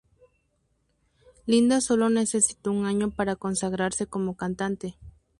Linda sólo necesito un año para consagrarse como cantante.